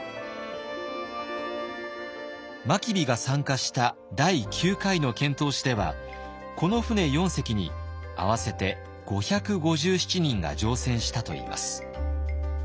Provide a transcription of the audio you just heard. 真備が参加した第９回の遣唐使ではこの船４隻に合わせて５５７人が乗船したといいます。